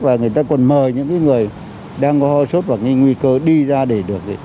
và người ta còn mời những cái người đang có hoa sốt và cái nguy cơ đi ra để được